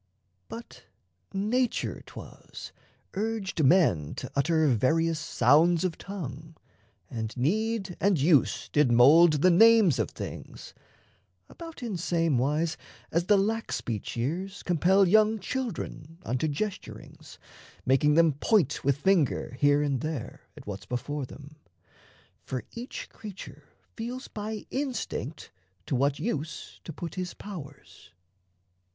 But nature 'twas Urged men to utter various sounds of tongue And need and use did mould the names of things, About in same wise as the lack speech years Compel young children unto gesturings, Making them point with finger here and there At what's before them. For each creature feels By instinct to what use to put his powers.